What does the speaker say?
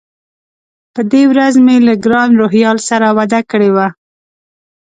په دې ورځ مې له ګران روهیال سره وعده کړې وه.